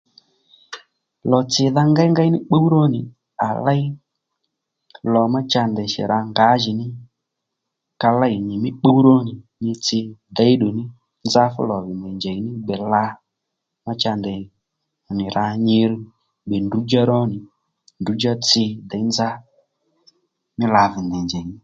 Lò tsìdha ngéyngéy ní pbúw ró nì à léy lò má cha ndèy shì rǎ ngǎjìní ka lêy nyi mí pbúw ró nì nyi tsi děyddù ní nzá fú lò vì ndèy njèy ní gbè la ma cha ndèy nì rǎ nyi gbè ndrǔdjá ró nì ndrǔdjá tsi děy nzá mí la bì ndèy njèy ní